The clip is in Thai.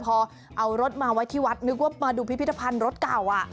พอเอารถมาไว้ที่วัดนึกว่ามาดูพิพิธภัณฑ์รถเก่า